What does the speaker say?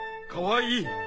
かわいい。